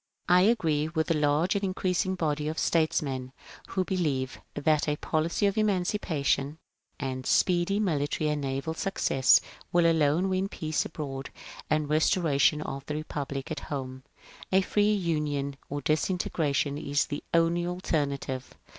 I agree with the large and increasing body of statesmen who believe, that a poUoy of Emancipation, — and speedy military and naval successes, — will alone win peace abroad and restoration of the republic at home. " A Free Union " or " Disintegration '* is the only alternative.